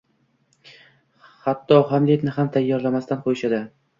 Hatto Hamletni ham tayyorlanmasdan qo’yishadi.